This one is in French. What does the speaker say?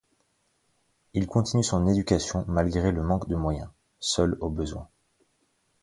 Il continue son éducation, malgré le manque de moyens, seul au besoin.